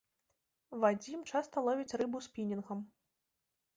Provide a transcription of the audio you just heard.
Вадзім часта ловіць рыбу спінінгам.